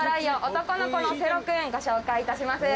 男の子のセロ君ご紹介いたします。